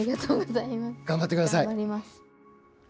頑張ってください。